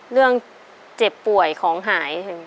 เรื่องเจ็บป่วยของหาย